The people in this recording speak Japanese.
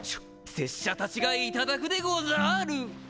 拙者たちが頂くでござる！！